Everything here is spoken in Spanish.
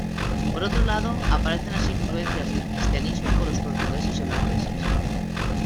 Por otro lado, aparecen las influencias del cristianismo con los portugueses y holandeses.